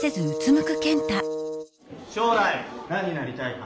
しょう来何になりたいか？